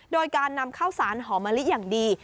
โดยการนำข้าวสารหอมะลิอย่างดี